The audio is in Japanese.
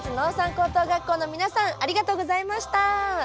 高等学校の皆さんありがとうございました。